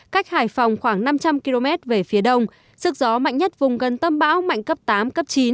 cách hải phòng khoảng năm trăm linh km về phía đông sức gió mạnh nhất vùng gần tâm bão mạnh cấp tám cấp chín